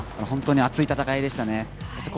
本当に熱い戦いでしたね。